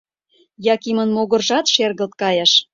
Якимын могыржат шергылт кайыш.